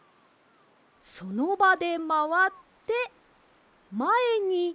そのばでまわってまえにまる。